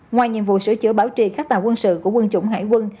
ngoài nhiệm vụ sửa chữa bảo trì khắc tàu quân sự của quân chủng hải quân